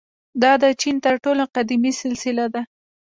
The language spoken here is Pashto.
• دا د چین تر ټولو قدیمي سلسله ده.